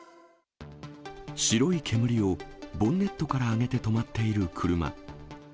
白い煙をボンネットから上げて止まっている車。